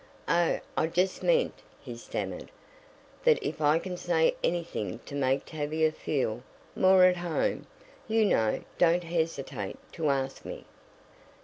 "Oh, I just meant," he stammered, "that if I can say anything to make Tavia feel more at home, you know don't hesitate to ask me."